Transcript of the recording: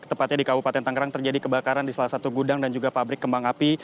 tepatnya di kabupaten tangerang terjadi kebakaran di salah satu gudang dan juga pabrik kembang api